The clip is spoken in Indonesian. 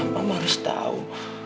mama harus tahu